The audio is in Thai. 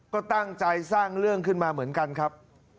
ก็ตั้งใจสร้างเรื่องขึ้นมาเหมือนกันครับ